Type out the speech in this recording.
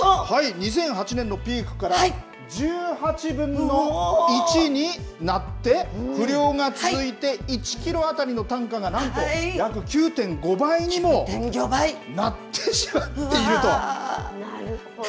２００８年のピークから、１８分の１になって、不漁が続いて、１キロ当たりの単価がなんと約９．５倍にもなってしまっていると。